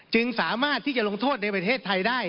จึงสามารถที่จะลงโทษในประเทศไทยได้